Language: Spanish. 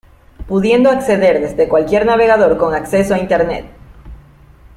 Pudiendo acceder desde cualquier navegador con acceso a internet.